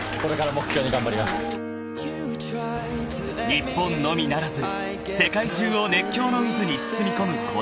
［日本のみならず世界中を熱狂の渦に包み込むこの男］